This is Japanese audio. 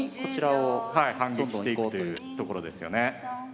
はい反撃していくというところですよね。